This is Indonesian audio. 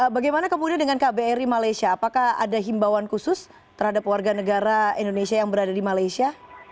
bagaimana kemudian dengan kbri malaysia apakah ada himbauan khusus terhadap warga negara indonesia yang berada di malaysia